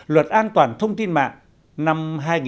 luật an toàn thông tin mạng năm hai nghìn một mươi ba